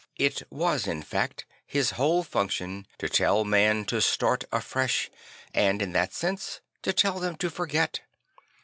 It was in fact his whole function to tell men to start afresh and, in that sense, to tell them to forget.